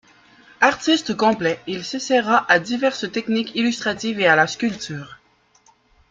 Artiste complet, il s'essaiera à diverses techniques illustratives et à la sculpture.